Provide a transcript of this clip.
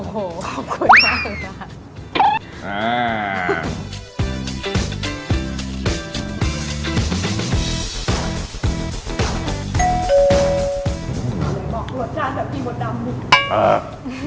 มองรสชาติแบบที่บดดำหนึ่ง